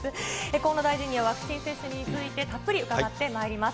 河野大臣には、ワクチン接種についてたっぷり伺ってまいります。